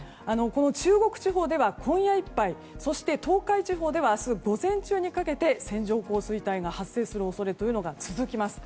中国地方では今夜いっぱいそして、東海地方では明日午前中にかけて線状降水帯が発生する恐れが続きます。